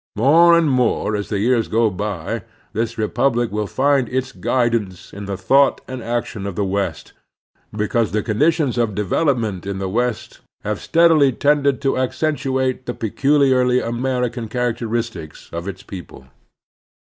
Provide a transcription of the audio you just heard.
More and more as the years go by this repubUc will find its guidance in the thought and action of the West, because the conditions of /development in the West have steadily tended to accentuate the peculiarly American characteristics of its people.